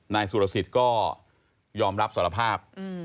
นายสุรสิทธิ์ก็ยอมรับสารภาพ